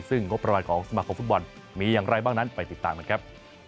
ก่อนถึงกฎประวัติของสมาครมฟุตบอลมีอย่างไรบ้างนั้นไปติดตามกันครับ